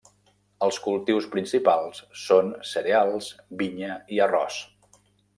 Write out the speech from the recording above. Els cultius principals són cereals, vinya i arròs.